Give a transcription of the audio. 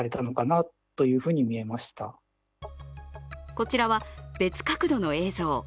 こちらは別角度の映像。